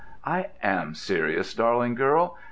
"I am serious, darling girl.